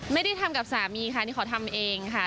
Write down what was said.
ไม่ได้ทำกับสามีค่ะนี่เขาทำเองค่ะ